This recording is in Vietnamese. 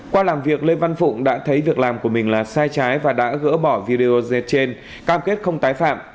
qua làm việc lê văn phụng đã thấy việc làm của mình là sai trái và đã gỡ bỏ video dệt trên cam kết không tái phạm